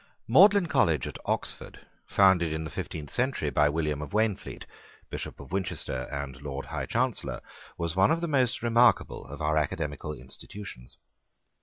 Magdalene College at Oxford, founded in the fifteenth century by William of Waynflete, Bishop of Winchester and Lord High Chancellor, was one of the most remarkable of our academical institutions.